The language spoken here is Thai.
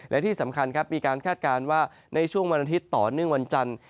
และที่สำคัญครับมีการคาดการณ์ว่าในช่วงวันอาทิตย์ต่อเนื่องวันจันทร์